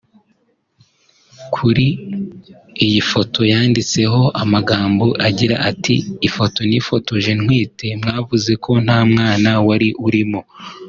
Kuri iyi foto yanditseho amagambo agira ati “Ifoto nifotoje ntwite mwavuze ko nta mwana wari urimo